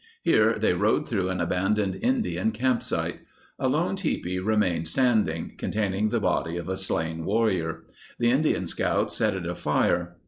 Here they rode through an abandoned Indian campsite. A lone tipi remained standing, containing the body of a slain warrior. The Indian scouts set it afire.